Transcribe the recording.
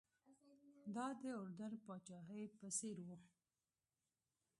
دا د اردن پاچاهۍ په څېر و.